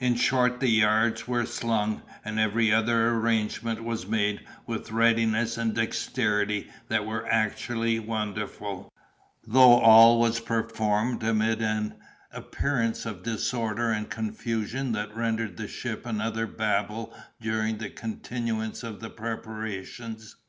In short, the yards were slung, and every other arrangement was made with a readiness and dexterity that were actually wonderful, though all was performed amid an appearance of disorder and confusion that rendered the ship another Babel during the continuance of the preparations.